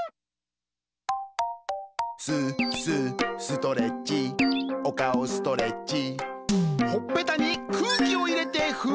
「ス、ス、ストレッチＯＫＡＯストレッチ」「ほっぺたに空気を入れて風船作って」